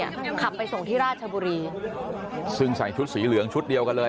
ขับไปส่งที่ราชบุรีซึ่งใส่ชุดสีเหลืองชุดเดียวกันเลย